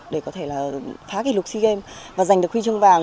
để có thể là phá kỷ lục sea games và giành được huy chương vàng